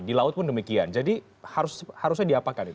di laut pun demikian jadi harusnya diapakan itu